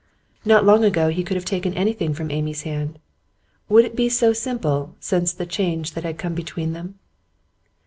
Not long ago, he could have taken anything from Amy's hand; would it be so simple since the change that had come between them?